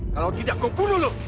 kalau tidak gue bunuh lo